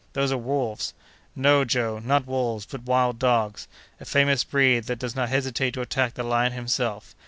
Those are wolves." "No! Joe, not wolves, but wild dogs; a famous breed that does not hesitate to attack the lion himself.